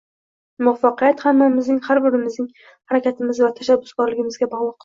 Muvaffaqiyat – hammamizning, har birimizning harakatimiz va tashabbuskorligimizga bog‘liq